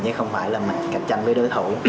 chứ không phải là mình cạnh tranh với đối thủ